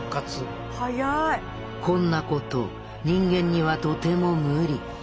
こんなこと人間にはとても無理。